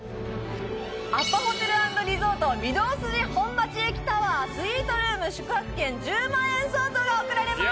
アパホテル＆リゾート御堂筋本町駅タワースイートルーム宿泊券１０万円相当が贈られます！